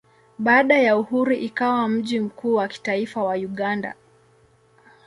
Baada ya uhuru ikawa mji mkuu wa kitaifa wa Uganda.